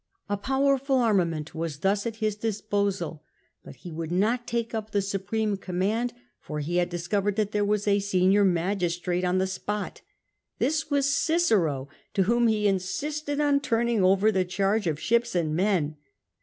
A powerful armament was thus at his disposal, but he would not take up the supreme command, for he had discovered that there was a senior magistrate on the spot. This was Cicero, to whom he insisted on turning over the charge of ships and men.